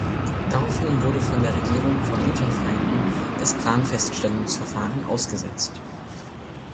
Daraufhin wurde von der Regierung von Unterfranken das Planfeststellungsverfahren ausgesetzt.